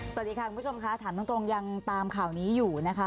สวัสดีค่ะคุณผู้ชมค่ะถามตรงยังตามข่าวนี้อยู่นะคะ